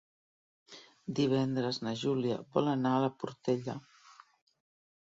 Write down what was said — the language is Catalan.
Divendres na Júlia vol anar a la Portella.